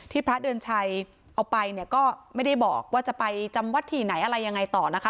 พระเดือนชัยเอาไปเนี่ยก็ไม่ได้บอกว่าจะไปจำวัดที่ไหนอะไรยังไงต่อนะคะ